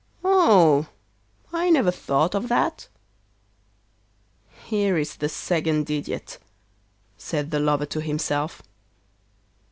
'Oh, I never thought of that.' 'Here is the second idiot,' said the lover to himself.